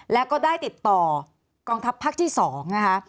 แล้วก็ได้ติดต่อกองทัพภาคที่๒นะคะ